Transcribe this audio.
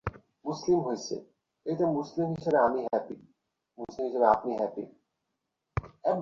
বাইরে যাওয়ার আগেএই সময়ে বাইরে বেরুনোর আগে কিছু জিনিস সঙ্গে নিয়ে যেতে পারেন।